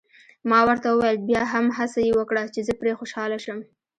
ما ورته وویل: بیا هم هڅه یې وکړه، چې زه پرې خوشحاله شم.